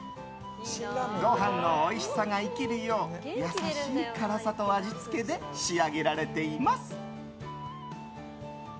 ご飯のおいしさが生きるよう優しい辛さと味付けで仕上げられています。